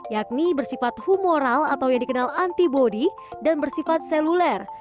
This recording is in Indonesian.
yakni bersifat humoral atau yang dikenal antibody dan bersifat seluler